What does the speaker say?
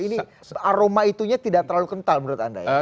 ini aroma itunya tidak terlalu kental menurut anda ya